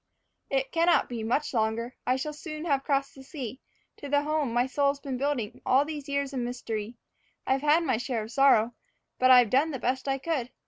It cannot be much longer. I shall soon have crossed the sea, To the home my soul's been building all these years of mystery. I've had my share of sorrow, but I've done the best I could.